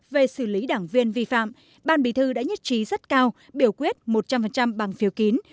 về xử lý đảng viên vi phạm ban bí thư đã nhất trí rất cao biểu quyết một trăm linh bằng phiếu kín